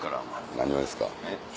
何をですか？